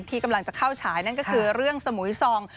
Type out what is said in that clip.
ที่กำลังจะเข้าฉายนั่นก็คือเรื่องสมุยซอง